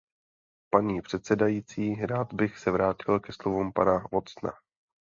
Paní předsedající, rád bych se vrátil ke slovům pana Watsona.